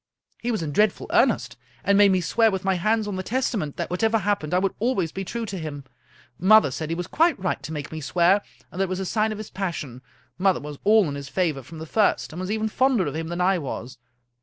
He was in dreadful earnest, and made me swear, with my hands on the Testament, that whatever happened I would always be true to him. Mother said he was quite right to make me swear, and that it was a sign of his passion. Mother was all in his favor from the first, and was even fonder of him than I was.